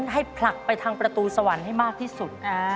ให้ผลักไปทางประตูสวรรค์ให้มากที่สุด